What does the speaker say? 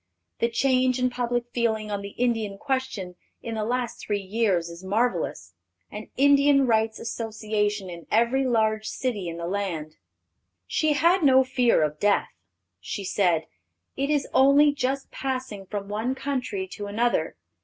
The change in public feeling on the Indian question in the last three years is marvellous; an Indian Rights Association in every large city in the land." She had no fear of death. She said, "It is only just passing from one country to another....